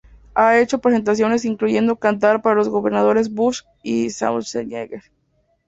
Ha hecho presentaciones incluyendo cantar para los gobernadores Bush y Schwarzenegger.